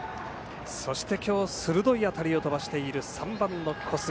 そして今日鋭い当たりを飛ばしている３番の小杉。